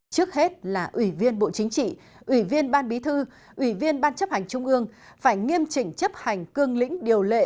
trước hết là ủy viên bộ chính trị ủy viên ban bí thư ủy viên ban chấp hành trung ương phải nghiêm chỉnh chấp hành cương lĩnh điều lệ